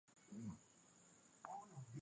muundo huu unatumika nje ya programu ya nagazeti